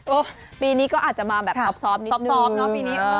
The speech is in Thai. โอ๊ะปีนี้ก็อาจจะมาแบบซอบนิดนึง